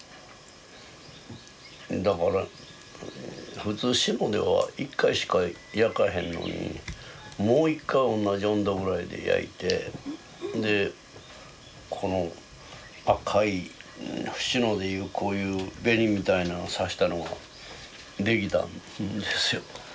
だから普通志野では１回しか焼かへんのにもう一回同じ温度ぐらいで焼いてでこの赤い志野でいうこういう紅みたいのをさしたのが出来たんですよ。